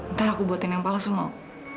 ntar aku buatin yang palsu mau